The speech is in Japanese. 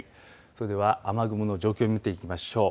それでは雨雲の状況見ていきましょう。